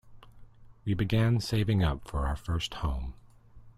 We began saving up for our first home.